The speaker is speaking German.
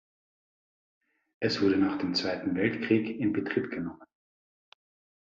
Es wurde nach dem Zweiten Weltkrieg in Betrieb genommen.